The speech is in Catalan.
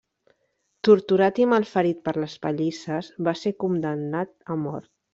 Torturat i malferit per les pallisses, va ser condemnat a mort.